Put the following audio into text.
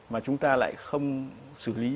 mà chúng ta lại không có thể đánh giá lại